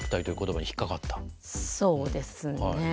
そうですね。